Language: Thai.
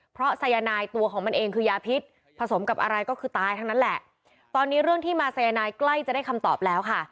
เพราะสายนายตัวของมันเองคือยาพิษผสมกับอะไรก็คือตายทั้งนั้นแหละตอนนี้เรื่องที่มาสายนายใกล้จะได้คำตอบแล้วค่ะ